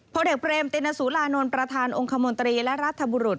ผลเอกเบรมตินสุรานนท์ประธานองค์คมนตรีและรัฐบุรุษ